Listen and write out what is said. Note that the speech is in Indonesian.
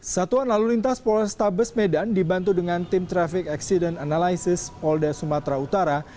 satuan lalu lintas polrestabes medan dibantu dengan tim traffic accident analysis polda sumatera utara